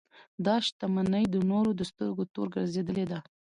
دا شتمنۍ د نورو د سترګو تور ګرځېدلې ده.